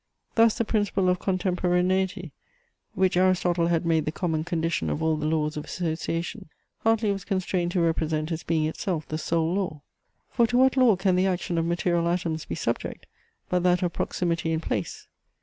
Thus the principle of contemporaneity, which Aristotle had made the common condition of all the laws of association, Hartley was constrained to represent as being itself the sole law. For to what law can the action of material atoms be subject, but that of proximity in place?